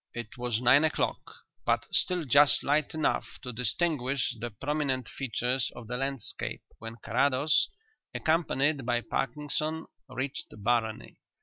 It was nine o'clock, but still just light enough to distinguish the prominent features of the landscape, when Carrados, accompanied by Parkinson, reached Barony.